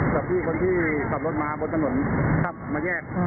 กับพี่คนที่ขับรถมาบนถนนมาแยก